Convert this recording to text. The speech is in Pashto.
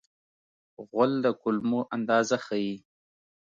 غول د کولمو اندازه ښيي.